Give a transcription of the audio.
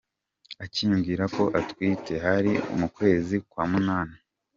Akimbwira ko atwite, hari mu kwezi kwa munani.